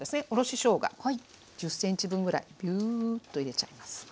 おろししょうが１０ｃｍ分ぐらいビューッと入れちゃいます。